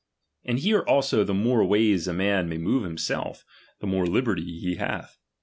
And here also the more ways a man may move himself, the more liberty he hath.